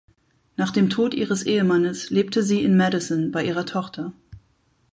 Nach dem Tod ihres Ehemannes lebte sie in Madison bei ihrer Tochter.